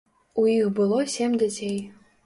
У іх было сем дзяцей.